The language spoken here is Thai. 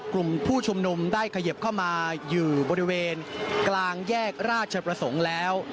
กลุ่มผู้ชุมนุมได้เขยิบเข้ามาอยู่บริเวณกลางแยกราชประสงค์แล้ว